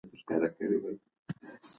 ما د خپلو تیروتنو په اړه فکر وکړ.